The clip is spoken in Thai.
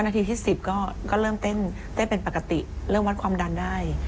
นาทีที่๑๐ก็เริ่มเต้นเป็นปกติเริ่มวัดความดันได้